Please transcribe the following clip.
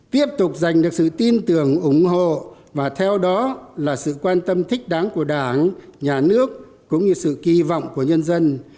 tiếp tục giành được sự tin tưởng ủng hộ và theo đó là sự quan tâm thích đáng của đảng nhà nước cũng như sự kỳ vọng của nhân dân